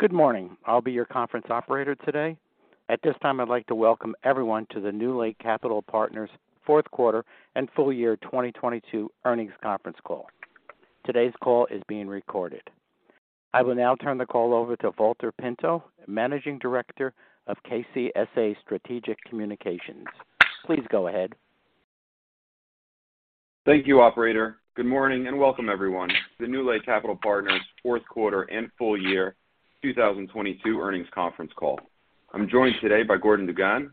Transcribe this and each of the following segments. Good morning. I'll be your conference operator today. At this time, I'd like to welcome everyone to the NewLake Capital Partners Fourth Quarter and full year 2022 Earnings Conference Call. Today's call is being recorded. I will now turn the call over to Valter Pinto, Managing Director of KCSA Strategic Communications. Please go ahead. Thank you, operator. Good morning and welcome everyone to the NewLake Capital Partners fourth quarter and full year 2022 earnings conference call. I'm joined today by Gordon DuGan,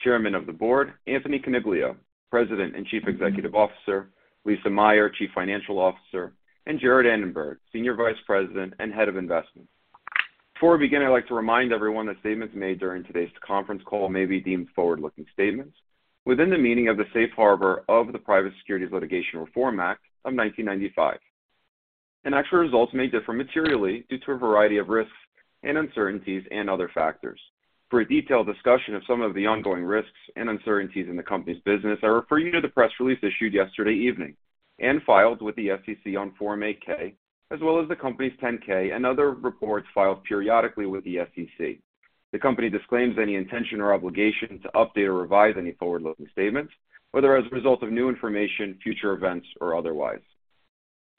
Chairman of the Board, Anthony Coniglio, President and Chief Executive Officer, Lisa Meyer, Chief Financial Officer, and Jarrett Annenberg, Senior Vice President and Head of Investments. Before we begin, I'd like to remind everyone that statements made during today's conference call may be deemed forward-looking statements within the meaning of the Safe Harbor of the Private Securities Litigation Reform Act of 1995. Actual results may differ materially due to a variety of risks and uncertainties and other factors. For a detailed discussion of some of the ongoing risks and uncertainties in the company's business, I refer you to the press release issued yesterday evening and filed with the SEC on Form 8-K, as well as the company's 10-K and other reports filed periodically with the SEC. The company disclaims any intention or obligation to update or revise any forward-looking statements, whether as a result of new information, future events, or otherwise.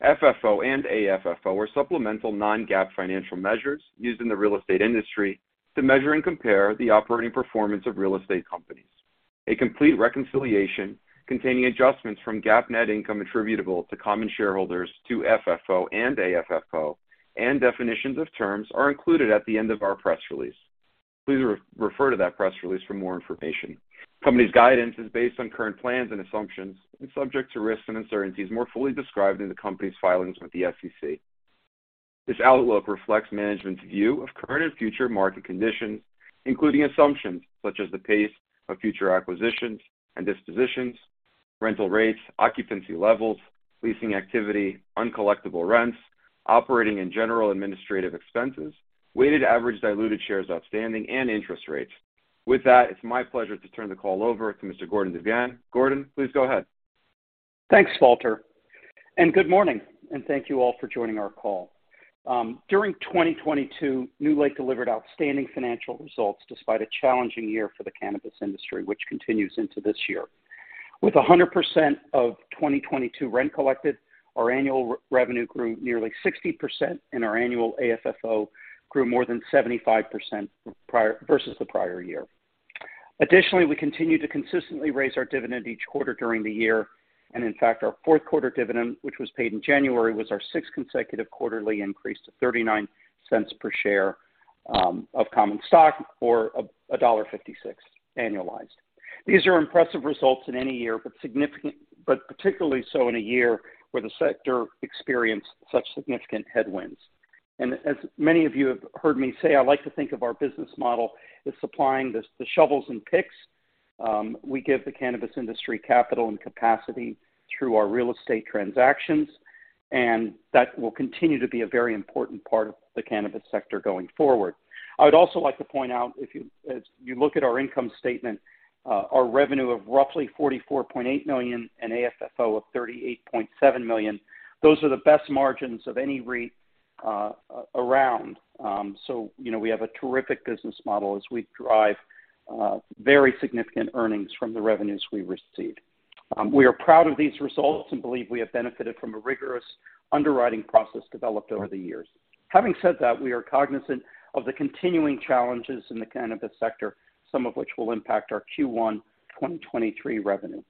FFO and AFFO are supplemental non-GAAP financial measures used in the real estate industry to measure and compare the operating performance of real estate companies. A complete reconciliation containing adjustments from GAAP net income attributable to common shareholders to FFO and AFFO and definitions of terms are included at the end of our press release. Please re-refer to that press release for more information. Company's guidance is based on current plans and assumptions and subject to risks and uncertainties more fully described in the company's filings with the SEC. This outlook reflects management's view of current and future market conditions, including assumptions such as the pace of future acquisitions and dispositions, rental rates, occupancy levels, leasing activity, uncollectible rents, operating and general administrative expenses, weighted average diluted shares outstanding, and interest rates. With that, it's my pleasure to turn the call over to Mr. Gordon DuGan. Gordon, please go ahead. Thanks, Valter. Good morning, and thank you all for joining our call. During 2022, NewLake delivered outstanding financial results despite a challenging year for the cannabis industry, which continues into this year. With 100% of 2022 rent collected, our annual re-revenue grew nearly 60% and our annual AFFO grew more than 75% prior, versus the prior year. Additionally, we continued to consistently raise our dividend each quarter during the year. In fact, our fourth quarter dividend, which was paid in January, was our sixth consecutive quarterly increase to $0.39 per share of common stock or a $1.56 annualized. These are impressive results in any year, but particularly so in a year where the sector experienced such significant headwinds. As many of you have heard me say, I like to think of our business model as supplying the shovels and picks. We give the cannabis industry capital and capacity through our real estate transactions, and that will continue to be a very important part of the cannabis sector going forward. I would also like to point out, if you look at our income statement, our revenue of roughly $44.8 million and AFFO of $38.7 million, those are the best margins of any REIT around. So, you know, we have a terrific business model as we drive very significant earnings from the revenues we receive. We are proud of these results and believe we have benefited from a rigorous underwriting process developed over the years. Having said that, we are cognizant of the continuing challenges in the cannabis sector, some of which will impact our Q1 2023 revenue.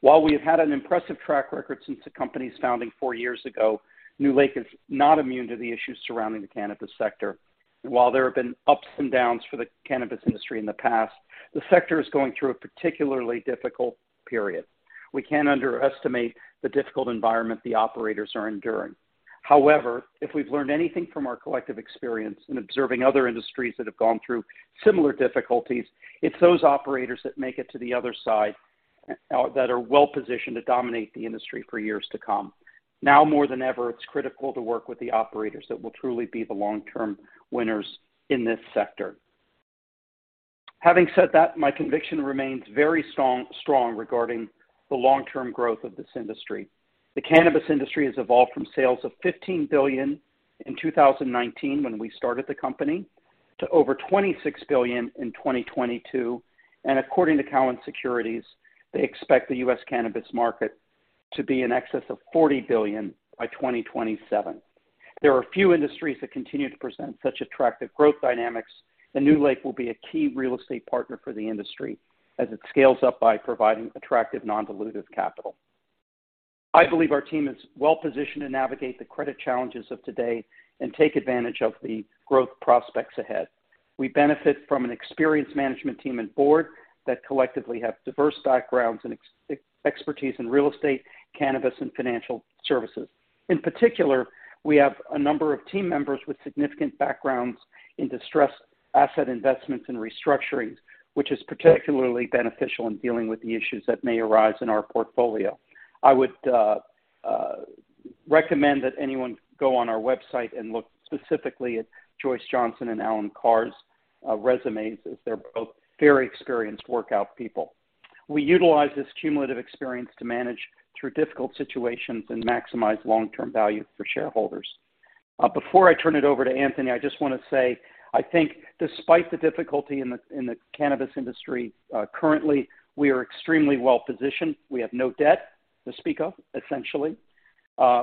While we have had an impressive track record since the company's founding four years ago, NewLake is not immune to the issues surrounding the cannabis sector. While there have been ups and downs for the cannabis industry in the past, the sector is going through a particularly difficult period. We can't underestimate the difficult environment the operators are enduring. However, if we've learned anything from our collective experience in observing other industries that have gone through similar difficulties, it's those operators that make it to the other side that are well-positioned to dominate the industry for years to come. Now, more than ever, it's critical to work with the operators that will truly be the long-term winners in this sector. Having said that, my conviction remains very strong regarding the long-term growth of this industry. The cannabis industry has evolved from sales of $15 billion in 2019 when we started the company, to over $26 billion in 2022. According to Cowen Securities, they expect the U.S. cannabis market to be in excess of $40 billion by 2027. There are few industries that continue to present such attractive growth dynamics, and NewLake will be a key real estate partner for the industry as it scales up by providing attractive non-dilutive capital. I believe our team is well-positioned to navigate the credit challenges of today and take advantage of the growth prospects ahead. We benefit from an experienced management team and board that collectively have diverse backgrounds and expertise in real estate, cannabis, and financial services. In particular, we have a number of team members with significant backgrounds in distressed asset investments and restructurings, which is particularly beneficial in dealing with the issues that may arise in our portfolio. I would recommend that anyone go on our website and look specifically at Joyce Johnson and Alan Carr's resumes, as they're both very experienced workout people. We utilize this cumulative experience to manage through difficult situations and maximize long-term value for shareholders. Before I turn it over to Anthony, I just wanna say, I think despite the difficulty in the, in the cannabis industry currently, we are extremely well-positioned. We have no debt to speak of, essentially.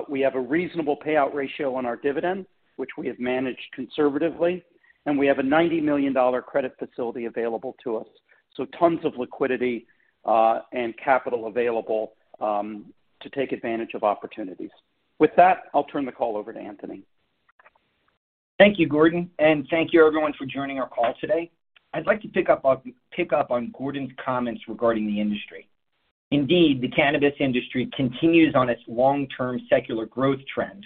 We have a reasonable payout ratio on our dividend, which we have managed conservatively, and we have a $90 million credit facility available to us. Tons of liquidity, and capital available, to take advantage of opportunities. With that, I'll turn the call over to Anthony. Thank you, Gordon, and thank you everyone for joining our call today. I'd like to pick up on Gordon's comments regarding the industry. Indeed, the cannabis industry continues on its long-term secular growth trend.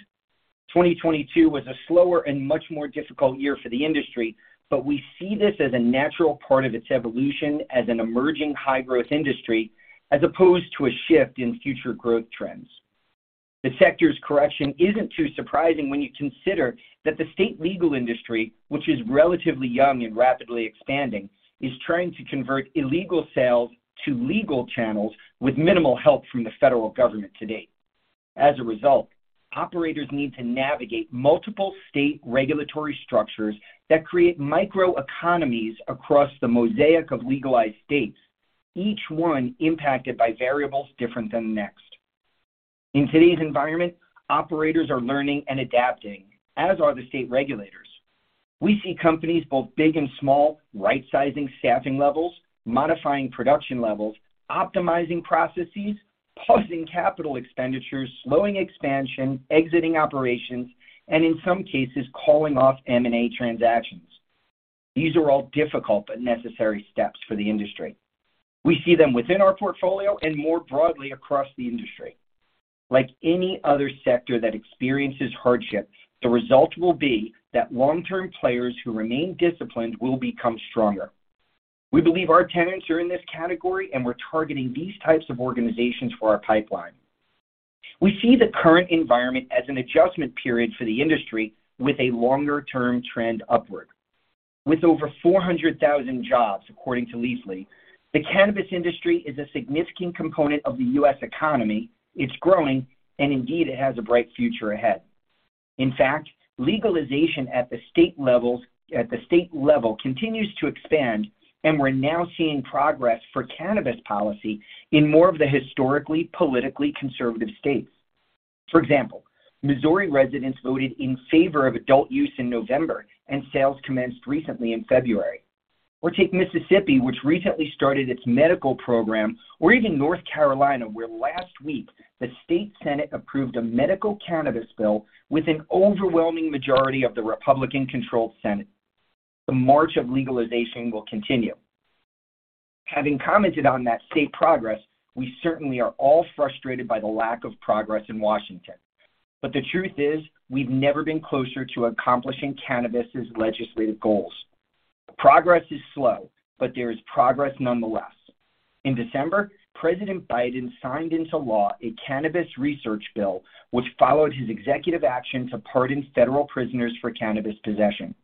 2022 was a slower and much more difficult year for the industry, but we see this as a natural part of its evolution as an emerging high-growth industry, as opposed to a shift in future growth trends. The sector's correction isn't too surprising when you consider that the state legal industry, which is relatively young and rapidly expanding, is trying to convert illegal sales to legal channels with minimal help from the federal government to date. As a result, operators need to navigate multiple state regulatory structures that create micro economies across the mosaic of legalized states, each one impacted by variables different than the next. In today's environment, operators are learning and adapting, as are the state regulators. We see companies, both big and small, right-sizing staffing levels, modifying production levels, optimizing processes, pausing capital expenditures, slowing expansion, exiting operations, and in some cases, calling off M&A transactions. These are all difficult but necessary steps for the industry. We see them within our portfolio and more broadly across the industry. Like any other sector that experiences hardship, the result will be that long-term players who remain disciplined will become stronger. We believe our tenants are in this category, and we're targeting these types of organizations for our pipeline. We see the current environment as an adjustment period for the industry with a longer-term trend upward. With over 400,000 jobs, according to Leafly, the cannabis industry is a significant component of the U.S. economy. It's growing, and indeed, it has a bright future ahead. In fact, legalization at the state level continues to expand. We're now seeing progress for cannabis policy in more of the historically politically conservative states. For example, Missouri residents voted in favor of adult use in November. Sales commenced recently in February. Take Mississippi, which recently started its medical program, or even North Carolina, where last week the State Senate approved a medical cannabis bill with an overwhelming majority of the Republican-controlled Senate. The march of legalization will continue. Having commented on that state progress, we certainly are all frustrated by the lack of progress in Washington. The truth is, we've never been closer to accomplishing cannabis's legislative goals. Progress is slow, but there is progress nonetheless. In December, President Biden signed into law a cannabis research bill, which followed his executive action to pardon federal prisoners for cannabis possession.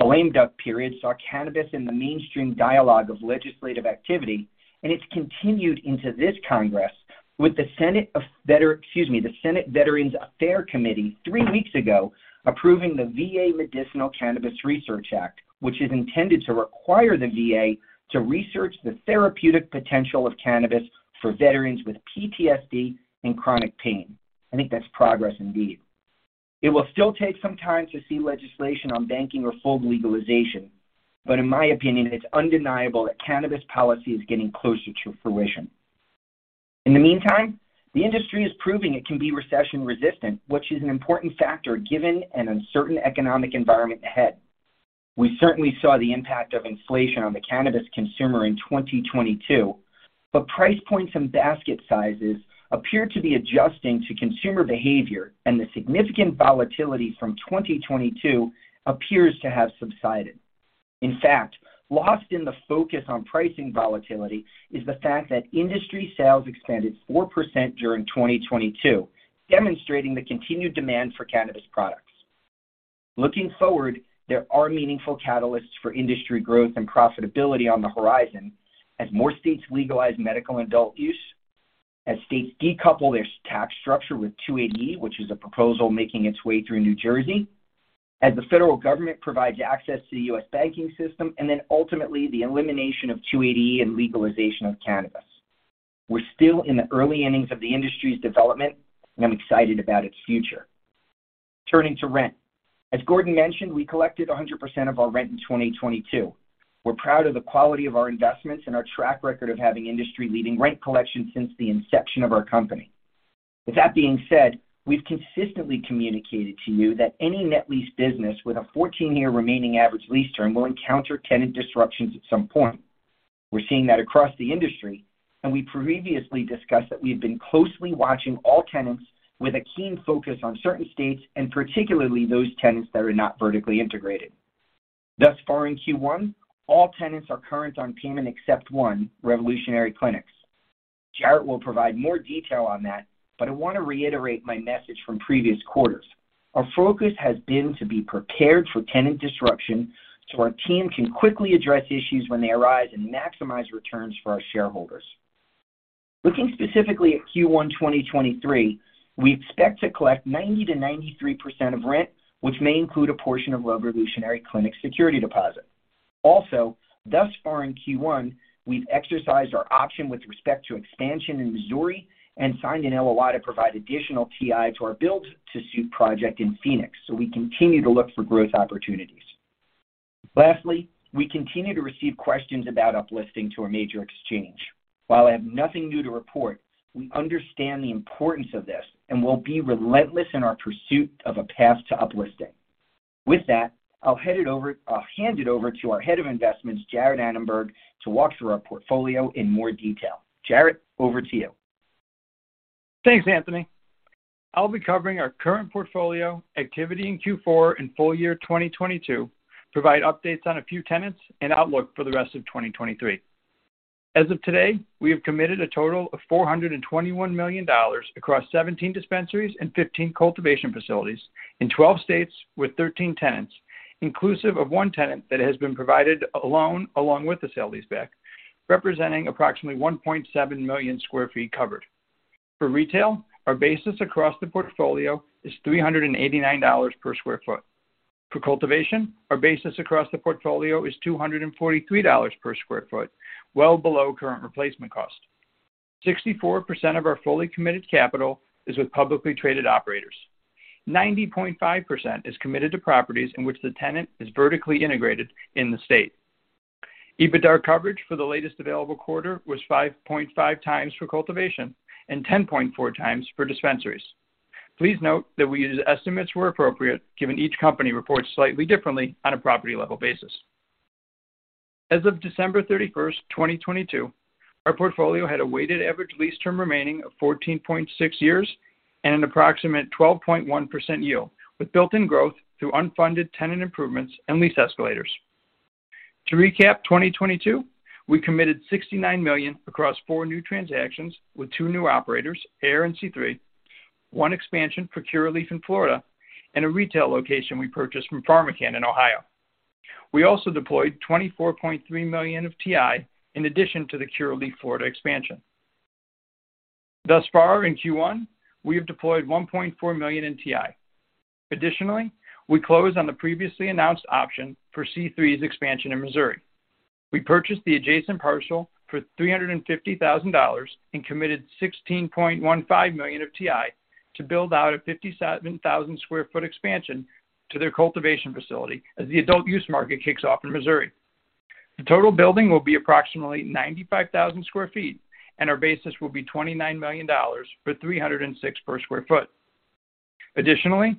The lame duck period saw cannabis in the mainstream dialogue of legislative activity, it's continued into this Congress with the Senate Veterans' Affairs Committee three weeks ago approving the VA Medicinal Cannabis Research Act, which is intended to require the VA to research the therapeutic potential of cannabis for veterans with PTSD and chronic pain. I think that's progress indeed. It will still take some time to see legislation on banking or full legalization, in my opinion, it's undeniable that cannabis policy is getting closer to fruition. In the meantime, the industry is proving it can be recession-resistant, which is an important factor given an uncertain economic environment ahead. We certainly saw the impact of inflation on the cannabis consumer in 2022, price points and basket sizes appear to be adjusting to consumer behavior, the significant volatility from 2022 appears to have subsided. In fact, lost in the focus on pricing volatility is the fact that industry sales expanded 4% during 2022, demonstrating the continued demand for cannabis products. Looking forward, there are meaningful catalysts for industry growth and profitability on the horizon as more states legalize medical and adult use, as states decouple their tax structure with 280E, which is a proposal making its way through New Jersey, as the federal government provides access to the U.S. banking system, ultimately, the elimination of 280E and legalization of cannabis. We're still in the early innings of the industry's development, I'm excited about its future. Turning to rent. As Gordon mentioned, we collected 100% of our rent in 2022.We're proud of the quality of our investments and our track record of having industry-leading rent collection since the inception of our company. With that being said, we've consistently communicated to you that any net lease business with a 14-year remaining average lease term will encounter tenant disruptions at some point. We're seeing that across the industry, and we previously discussed that we've been closely watching all tenants with a keen focus on certain states and particularly those tenants that are not vertically integrated. Thus far in Q1, all tenants are current on payment except one, Revolutionary Clinics. Jarrett will provide more detail on that, but I want to reiterate my message from previous quarters. Our focus has been to be prepared for tenant disruption so our team can quickly address issues when they arise and maximize returns for our shareholders. Looking specifically at Q1 2023, we expect to collect 90%-93% of rent, which may include a portion of Revolutionary Clinics security deposit. Thus far in Q1, we've exercised our option with respect to expansion in Missouri and signed an LOI to provide additional TI to our build-to-suit project in Phoenix, so we continue to look for growth opportunities. We continue to receive questions about uplisting to a major exchange. While I have nothing new to report, we understand the importance of this and will be relentless in our pursuit of a path to uplisting. With that, I'll hand it over to our Head of Investments, Jarrett Annenberg, to walk through our portfolio in more detail. Jarrett, over to you. Thanks, Anthony. I'll be covering our current portfolio, activity in Q4 and full year 2022, provide updates on a few tenants and outlook for the rest of 2023. As of today, we have committed a total of $421 million across 17 dispensaries and 15 cultivation facilities in 12 states with 13 tenants, inclusive of 1 tenant that has been provided a loan along with the sale leaseback, representing approximately 1.7 million sq ft covered. For retail, our basis across the portfolio is $389 per sq ft. For cultivation, our basis across the portfolio is $243 per sq ft, well below current replacement cost. 64% of our fully committed capital is with publicly traded operators. 90.5% is committed to properties in which the tenant is vertically integrated in the state. EBITDA coverage for the latest available quarter was 5.5x for cultivation and 10.4x for dispensaries. Please note that we use estimates where appropriate, given each company reports slightly differently on a property level basis. As of December 31st, 2022, our portfolio had a weighted average lease term remaining of 14.6 years and an approximate 12.1% yield with built-in growth through unfunded tenant improvements and lease escalators. To recap 2022, we committed $69 million across four new transactions with two new operators, Ayr and C3, one expansion for Curaleaf in Florida, and a retail location we purchased from PharmaCann in Ohio. We also deployed $24.3 million of TI in addition to the Curaleaf Florida expansion. Thus far in Q1, we have deployed $1.4 million in TI. Additionally, we closed on the previously announced option for C3's expansion in Missouri. We purchased the adjacent parcel for $350,000 and committed $16.15 million of TI to build out a 57,000 sq ft expansion to their cultivation facility as the adult use market kicks off in Missouri. The total building will be approximately 95,000 sq ft and our basis will be $29 million for $306 per sq ft. Additionally,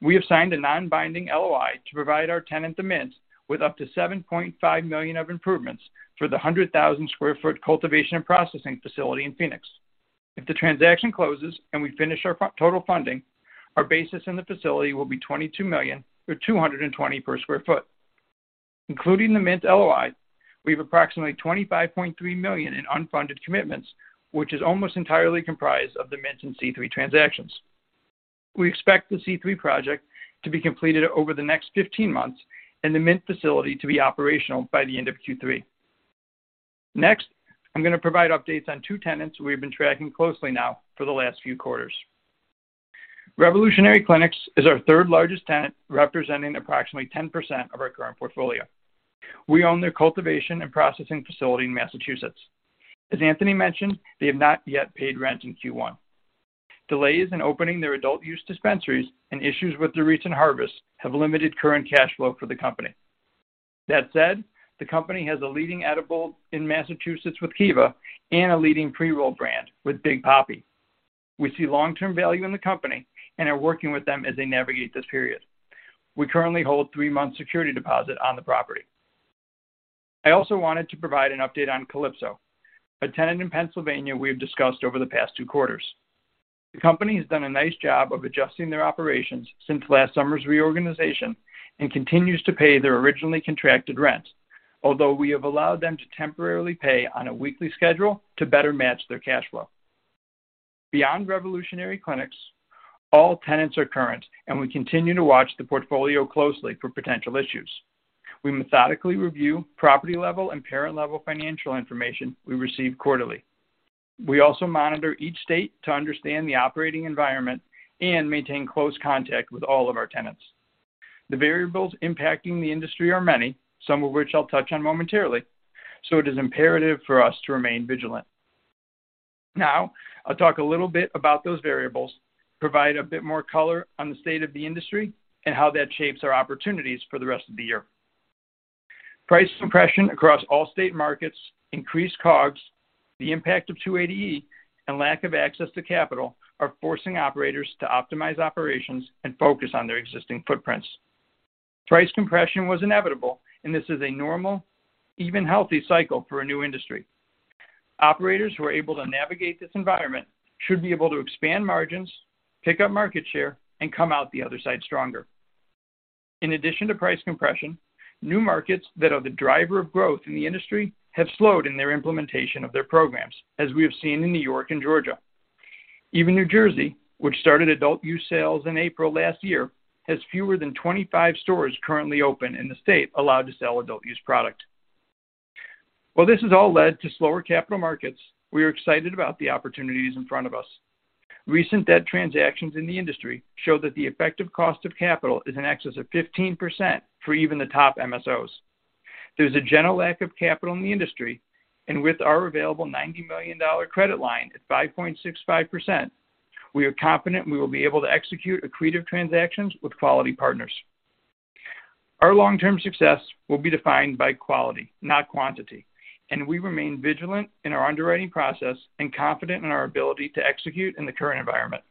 we have signed a non-binding LOI to provide our tenant, The Mint, with up to $7.5 million of improvements for the 100,000 sq ft cultivation and processing facility in Phoenix. If the transaction closes and we finish our total funding, our basis in the facility will be $22 million with $220 per sq ft. Including The Mint LOI, we have approximately $25.3 million in unfunded commitments, which is almost entirely comprised of The Mint and C3 transactions. We expect the C3 project to be completed over the next 15 months and The Mint facility to be operational by the end of Q3. I'm going to provide updates on two tenants we've been tracking closely now for the last few quarters. Revolutionary Clinics is our third-largest tenant, representing approximately 10% of our current portfolio. We own their cultivation and processing facility in Massachusetts. As Anthony mentioned, they have not yet paid rent in Q1. Delays in opening their adult use dispensaries and issues with the recent harvest have limited current cash flow for the company. That said, the company has a leading edible in Massachusetts with Kiva and a leading pre-roll brand with Big Poppy. We see long-term value in the company and are working with them as they navigate this period. We currently hold three months security deposit on the property. I also wanted to provide an update on Calypso, a tenant in Pennsylvania we have discussed over the past two quarters. The company has done a nice job of adjusting their operations since last summer's reorganization and continues to pay their originally contracted rent. Although we have allowed them to temporarily pay on a weekly schedule to better match their cash flow. Beyond Revolutionary Clinics, all tenants are current, and we continue to watch the portfolio closely for potential issues. We methodically review property-level and parent-level financial information we receive quarterly. We also monitor each state to understand the operating environment and maintain close contact with all of our tenants. The variables impacting the industry are many, some of which I'll touch on momentarily, so it is imperative for us to remain vigilant. I'll talk a little bit about those variables, provide a bit more color on the state of the industry and how that shapes our opportunities for the rest of the year. Price compression across all state markets, increased COGS, the impact of 280E, and lack of access to capital are forcing operators to optimize operations and focus on their existing footprints. Price compression was inevitable, and this is a normal, even healthy cycle for a new industry. Operators who are able to navigate this environment should be able to expand margins, pick up market share, and come out the other side stronger. In addition to price compression, new markets that are the driver of growth in the industry have slowed in their implementation of their programs, as we have seen in New York and Georgia. Even New Jersey, which started adult use sales in April last year, has fewer than 25 stores currently open in the state allowed to sell adult use product. This has all led to slower capital markets, we are excited about the opportunities in front of us. Recent debt transactions in the industry show that the effective cost of capital is in excess of 15% for even the top MSOs. There's a general lack of capital in the industry, and with our available $90 million credit line at 5.65%, we are confident we will be able to execute accretive transactions with quality partners. Our long-term success will be defined by quality, not quantity, and we remain vigilant in our underwriting process and confident in our ability to execute in the current environment.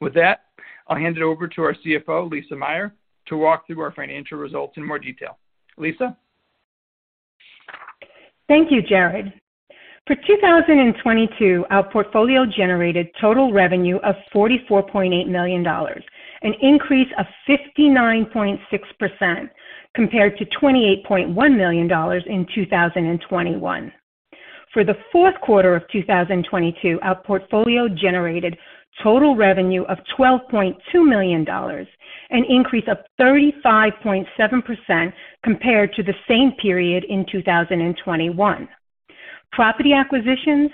With that, I'll hand it over to our CFO, Lisa Meyer, to walk through our financial results in more detail. Lisa? Thank you, Jarrett. For 2022, our portfolio generated total revenue of $44.8 million, an increase of 59.6% compared to $28.1 million in 2021. For the fourth quarter of 2022, our portfolio generated total revenue of $12.2 million, an increase of 35.7% compared to the same period in 2021. Property acquisitions,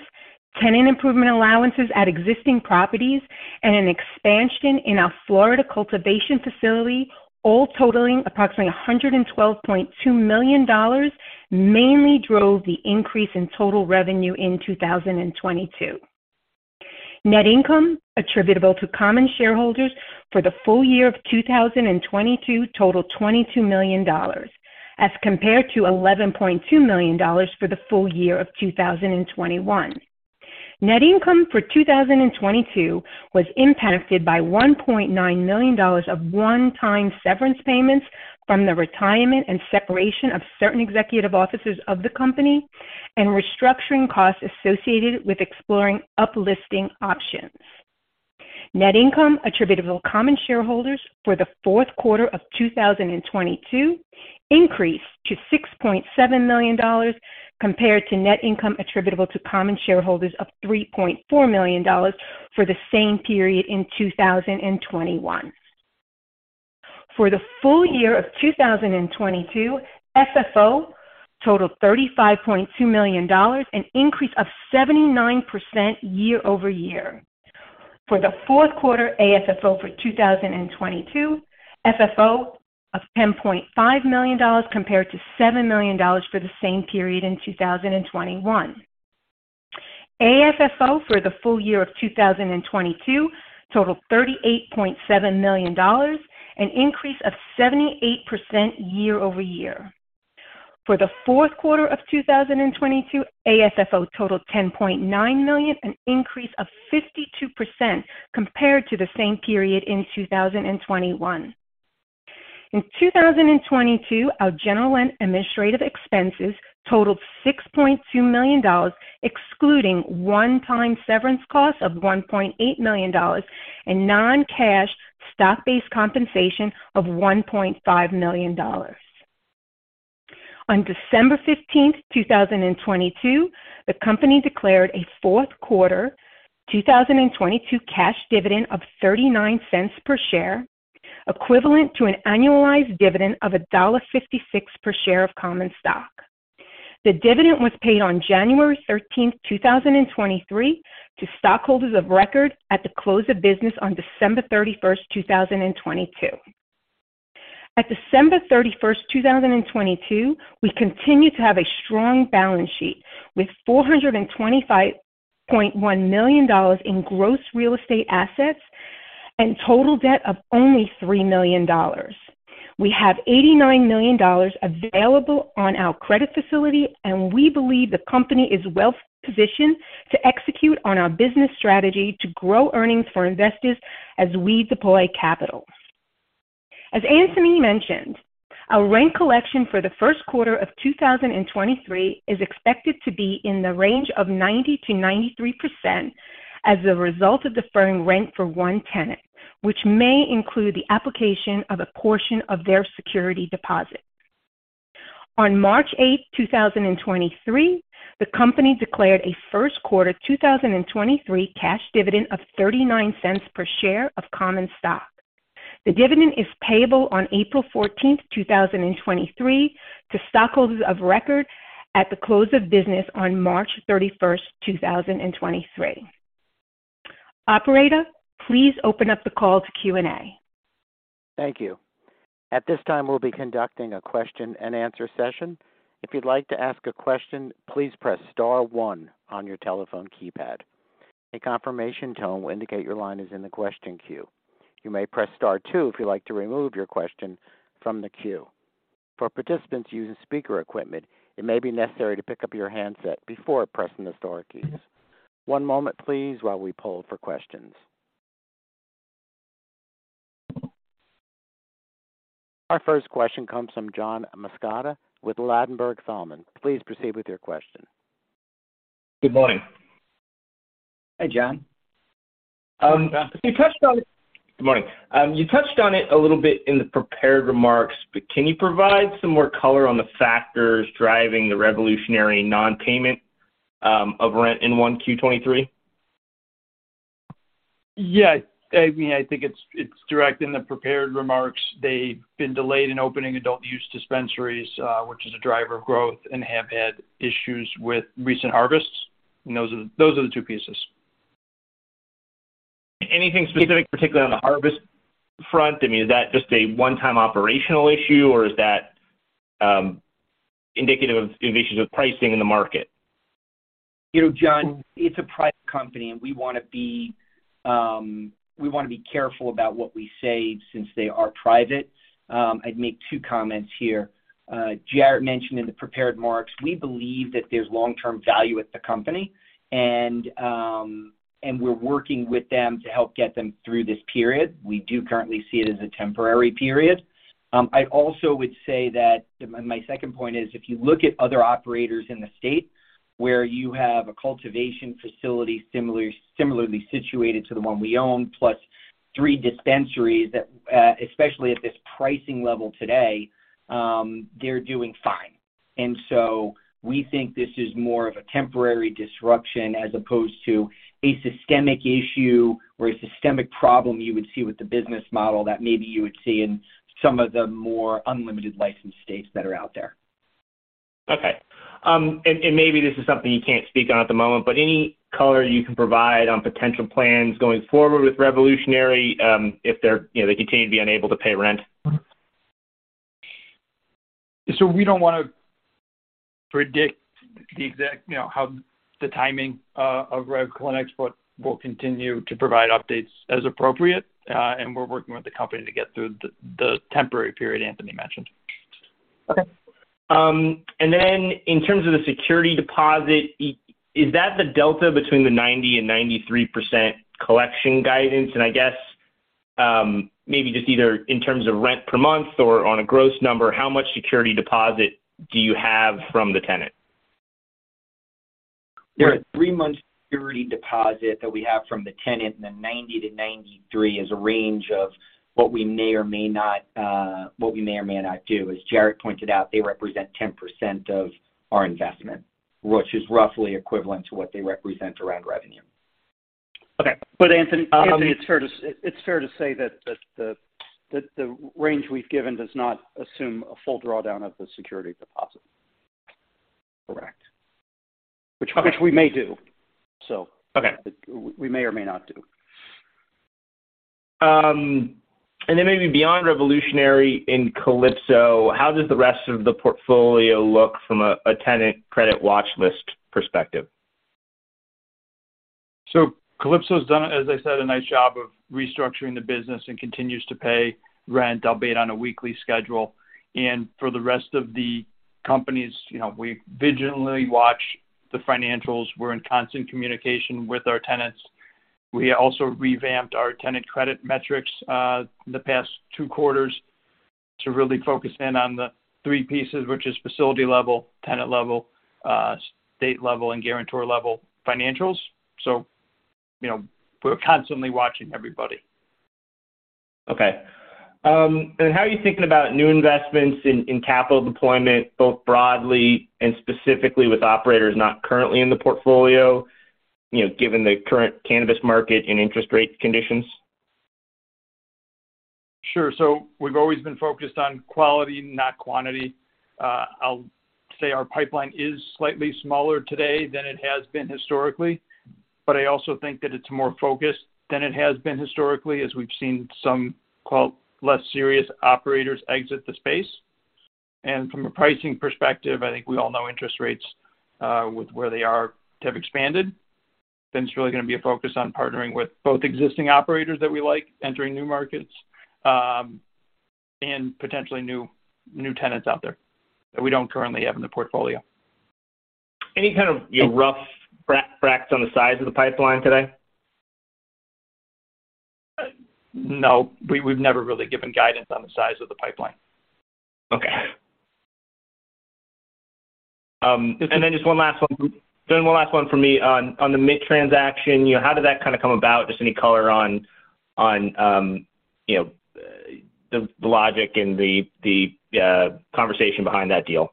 tenant improvement allowances at existing properties, and an expansion in our Florida cultivation facility, all totaling approximately $112.2 million, mainly drove the increase in total revenue in 2022. Net income attributable to common shareholders for the full year of 2022 totaled $22 million as compared to $11.2 million for the full year of 2021. Net income for 2022 was impacted by $1.9 million of one-time severance payments from the retirement and separation of certain executive officers of the company and restructuring costs associated with exploring up-listing options. Net income attributable to common shareholders for the fourth quarter of 2022 increased to $6.7 million compared to net income attributable to common shareholders of $3.4 million for the same period in 2021. For the full year of 2022, FFO totaled $35.2 million, an increase of 79% year-over-year. For the fourth quarter AFFO for 2022, FFO of $10.5 million compared to $7 million for the same period in 2021. AFFO for the full year of 2022 totaled $38.7 million, an increase of 78% year-over-year. For the fourth quarter of 2022, AFFO totaled $10.9 million, an increase of 52% compared to the same period in 2021. In 2022, our general and administrative expenses totaled $6.2 million, excluding one-time severance costs of $1.8 million and non-cash stock-based compensation of $1.5 million. On December 15th, 2022, the company declared a fourth quarter 2022 cash dividend of $0.39 per share, equivalent to an annualized dividend of $1.56 per share of common stock. The dividend was paid on January 13th, 2023 to stockholders of record at the close of business on December 31st, 2022. At December 31st, 2022, we continue to have a strong balance sheet with $425.1 million in gross real estate assets and total debt of only $3 million. We have $89 million available on our credit facility. We believe the company is well positioned to execute on our business strategy to grow earnings for investors as we deploy capital. As Anthony mentioned, our rent collection for the 1st quarter of 2023 is expected to be in the range of 90%-93% as a result of deferring rent for one tenant, which may include the application of a portion of their security deposit. On March 8th, 2023, the company declared a first quarter 2023 cash dividend of $0.39 per share of common stock. The dividend is payable on April 14th, 2023 to stockholders of record at the close of business on March 31st, 2023. Operator, please open up the call to Q&A. Thank you. At this time, we'll be conducting a question-and-answer session. If you'd like to ask a question, please press star one on your telephone keypad. A confirmation tone will indicate your line is in the question queue. You may press star two if you'd like to remove your question from the queue. For participants using speaker equipment, it may be necessary to pick up your handset before pressing the star keys. One moment please while we poll for questions. Our first question comes from John Massocca with Ladenburg Thalmann. Please proceed with your question. Good morning. Hi, John. Good morning. You touched on it a little bit in the prepared remarks, Can you provide some more color on the factors driving the Revolutionary Clinics non-payment of rent in 1Q 2023? Yeah. I mean, I think it's direct in the prepared remarks. They've been delayed in opening adult use dispensaries, which is a driver of growth and have had issues with recent harvests. Those are the two pieces. Anything specific, particularly on the harvest front? I mean, is that just a one-time operational issue or is that indicative of pricing in the market? You know, John, it's a private company, and we wanna be careful about what we say since they are private. I'd make two comments here. Jarrett mentioned in the prepared remarks, we believe that there's long-term value at the company and we're working with them to help get them through this period. We do currently see it as a temporary period. I also would say that, my second point is, if you look at other operators in the state, where you have a cultivation facility similarly situated to the one we own, plus three dispensaries that, especially at this pricing level today, they're doing fine. We think this is more of a temporary disruption as opposed to a systemic issue or a systemic problem you would see with the business model that maybe you would see in some of the more unlimited licensed states that are out there. Okay. Maybe this is something you can't speak on at the moment, but any color you can provide on potential plans going forward with Revolutionary, if they're, you know, they continue to be unable to pay rent. We don't wanna predict the exact, you know, how the timing of Revolutionary Clinics, but we'll continue to provide updates as appropriate, and we're working with the company to get through the temporary period Anthony mentioned. Then in terms of the security deposit, is that the delta between the 90 and 93% collection guidance? I guess, maybe just either in terms of rent per month or on a gross number, how much security deposit do you have from the tenant? There are three months security deposit that we have from the tenant. The 90-93 is a range of what we may or may not, what we may or may not do. As Jarrett pointed out, they represent 10% of our investment, which is roughly equivalent to what they represent around revenue. Okay. Anthony, it's fair to say that the range we've given does not assume a full drawdown of the security deposit. Correct. Which we may do, so. Okay. We may or may not do. Then maybe beyond Revolutionary in Calypso, how does the rest of the portfolio look from a tenant credit watch list perspective? Calypso's done, as I said, a nice job of restructuring the business and continues to pay rent, albeit on a weekly schedule. For the rest of the companies, you know, we vigilantly watch the financials. We're in constant communication with our tenants. We also revamped our tenant credit metrics, the past two quarters to really focus in on the three pieces, which is facility level, tenant level, state level, and guarantor level financials. You know, we're constantly watching everybody. Okay. how are you thinking about new investments in capital deployment, both broadly and specifically with operators not currently in the portfolio, you know, given the current cannabis market and interest rate conditions? Sure. We've always been focused on quality, not quantity. I'll say our pipeline is slightly smaller today than it has been historically, but I also think that it's more focused than it has been historically, as we've seen some, quote, "less serious operators" exit the space. From a pricing perspective, I think we all know interest rates, with where they are to have expanded, then it's really gonna be a focus on partnering with both existing operators that we like entering new markets, and potentially new tenants out there that we don't currently have in the portfolio. Any kind of, you know, rough braids on the size of the pipeline today? No. We've never really given guidance on the size of the pipeline. Okay. Just one last one. One last one for me on The Mint transaction. You know, how did that kind of come about? Just any color on, you know, the logic and the, conversation behind that deal.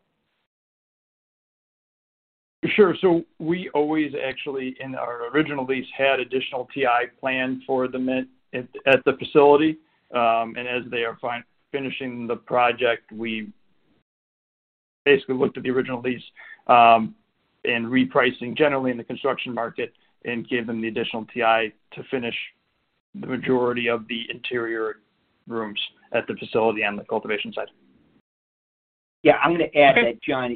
Sure. We always actually, in our original lease, had additional TI planned for The Mint at the facility. As they are finishing the project, we basically looked at the original lease, and repricing generally in the construction market and gave them the additional TI to finish the majority of the interior rooms at the facility on the cultivation side. Yeah, I'm gonna add that, John.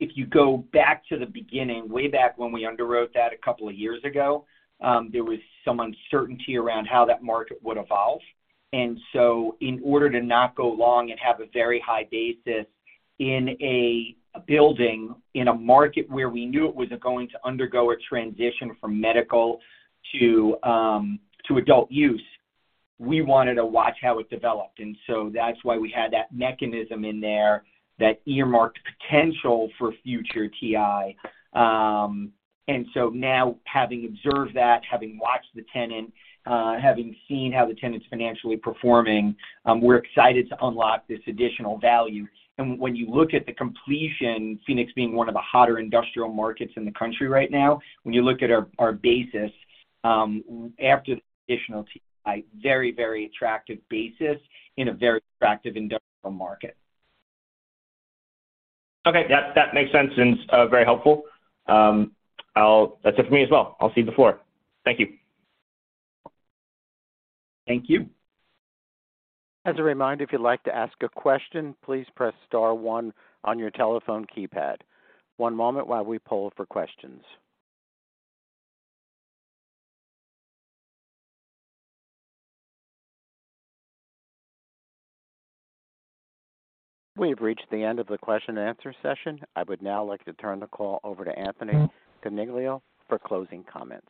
If you go back to the beginning, way back when we underwrote that two years ago, there was some uncertainty around how that market would evolve. In order to not go along and have a very high basis in a building in a market where we knew it was going to undergo a transition from medical to adult use, we wanted to watch how it developed. That's why we had that mechanism in there that earmarked potential for future TI. Now having observed that, having watched the tenant, having seen how the tenant's financially performing, we're excited to unlock this additional value. When you look at the completion, Phoenix being one of the hotter industrial markets in the country right now, when you look at our basis, after the additional TI, very, very attractive basis in a very attractive industrial market. Okay. That makes sense and it's very helpful. That's it for me as well. I'll see you the floor. Thank you. Thank you. As a reminder, if you'd like to ask a question, please press star one on your telephone keypad. One moment while we poll for questions. We have reached the end of the question and answer session. I would now like to turn the call over to Anthony Coniglio for closing comments.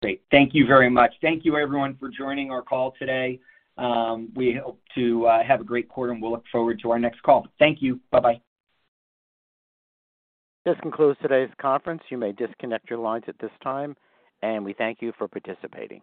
Great. Thank you very much. Thank you everyone for joining our call today. We hope to have a great quarter, and we look forward to our next call. Thank you. Bye-bye. This concludes today's conference. You may disconnect your lines at this time. We thank you for participating.